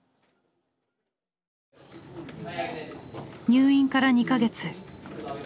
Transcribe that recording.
入院から２か月。